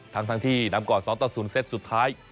ทั้งทั้งที่นำก่อน๒๐เซตสุดท้าย